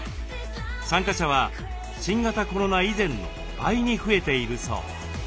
参加者は新型コロナ以前の倍に増えているそう。